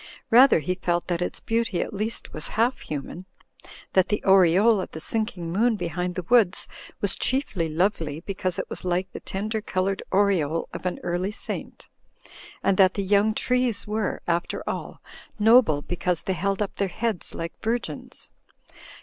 Rather he felt that its beauty at least was half human ; that the aureole of the sinking moon behind the woods was chiefly lovely because it was like the tender coloured aureole of an early saint; and that the young trees were, after all, noble because they held up their heads like virgins.